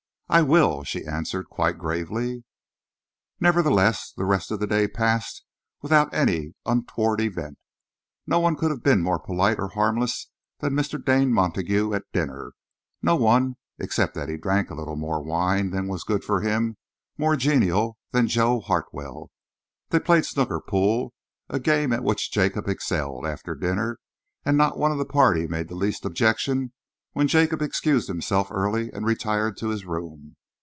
"I will," she answered quite gravely. Nevertheless, the rest of the day passed without any untoward event. No one could have been more polite or harmless than Mr. Dane Montague at dinner; no one, except that he drank a little more wine than was good for him, more genial than Joe Hartwell. They played snooker pool, a game at which Jacob excelled, after dinner, and not one of the party made the least objection when Jacob excused himself early and retired to his room.